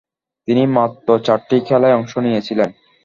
তিনি মাত্র চারটি খেলায় অংশ নিয়েছিলেন।